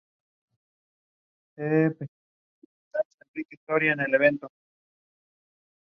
Es, sin duda, la parte más impresionante del exterior del templo.